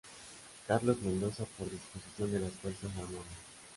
Carlos Mendoza por disposición de las Fuerzas Armadas.